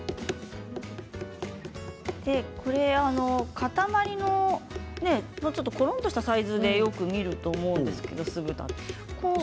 塊のコロンとしたサイズでよく見ると思うんですけれど酢豚は。